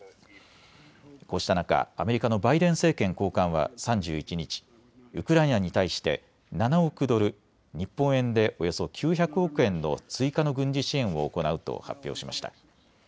こうした中、アメリカのバイデン政権高官は３１日、ウクライナに対して７億ドル、日本円でおよそ９００億円の追加の軍事支援を行うと発表しました。